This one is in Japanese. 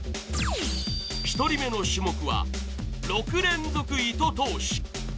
１人目の種目は６連続糸通し。